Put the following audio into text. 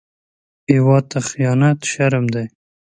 هېواد ته خيانت شرم دی